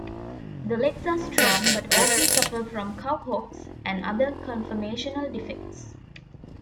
The legs are strong, but often suffer from cow hocks and other conformational defects.